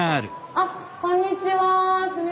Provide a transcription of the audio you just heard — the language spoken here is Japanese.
あこんにちは。